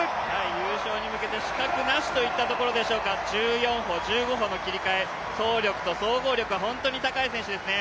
優勝に向けて死角なしといったところでしょうか、１４歩と１５歩の切り替え、走力と総合力は相当高い選手ですね。